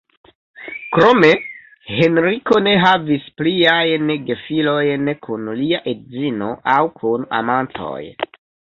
Krome, Henriko ne havis pliajn gefilojn kun lia edzino aŭ kun amantoj.